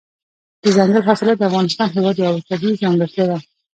دځنګل حاصلات د افغانستان هېواد یوه طبیعي ځانګړتیا ده.